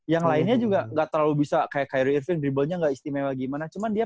yang lainnya juga gak terlalu bisa kayak kyrie irving dribblenya gak istimewa gimana cuman dia